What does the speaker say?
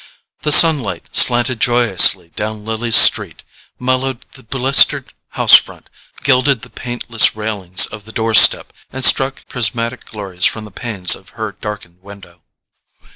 The sunlight slanted joyously down Lily's street, mellowed the blistered house front, gilded the paintless railings of the doorstep, and struck prismatic glories from the panes of her darkened window.